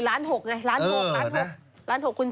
ล้าน๖คูณ๑๐